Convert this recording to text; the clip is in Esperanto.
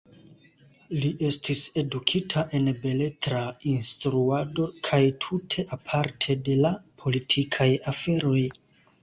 Li estis edukita en beletra instruado kaj tute aparte de la politikaj aferoj.